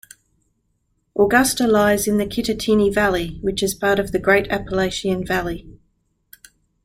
Augusta lies in the Kittatinny Valley which is part of the Great Appalachian Valley.